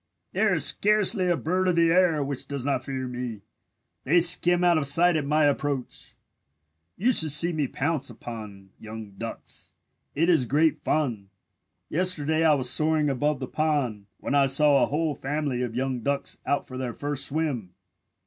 "There is scarcely a bird of the air which does not fear me. They skim out of sight at my approach. "You should see me pounce upon young ducks. It is great fun. Yesterday I was soaring above the pond, when I saw a whole family of young ducks out for their first swim.